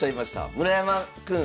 「村山君